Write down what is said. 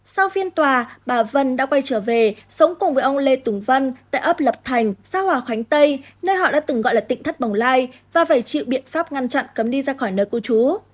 sau phiên tòa bà vân đã quay trở về sống cùng với ông lê tùng văn tại ấp lập thành xã hòa khánh tây nơi họ đã từng gọi là tỉnh thất bồng lai và phải chịu biện pháp ngăn chặn cấm đi khỏi nơi cư trú